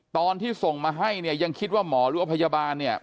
ตอนที่ส่งมาให้เนี่ยยังคิดว่าหมอหรือว่าพยาบาลเนี่ย